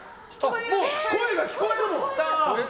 声が聞こえるもん。